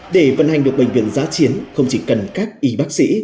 để vận hành được bệnh viện giá chiến không chỉ cần các y bác sĩ